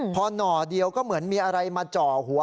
พอหน่อเดียวก็เหมือนมีอะไรมาจ่อหัว